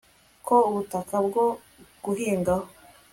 ko ubutaka bwo guhingaho